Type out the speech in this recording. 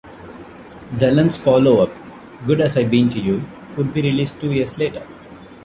Dylan's follow-up "Good As I Been to You" would be released two years later.